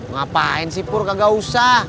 ngapain sih pur gak usah